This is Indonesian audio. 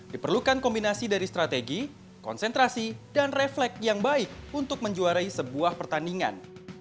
diperlukan kombinasi dari strategi konsentrasi dan refleks yang baik untuk menjuarai sebuah pertandingan